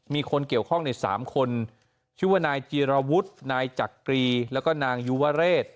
มีคนเกี่ยวข้องใน๓คนชื่อว่านายจีรวุฒินายจักรีแล้วก็นางยุวเรศ